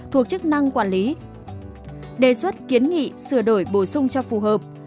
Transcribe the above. thuộc chức năng quản lý đề xuất kiến nghị sửa đổi bổ sung cho phù hợp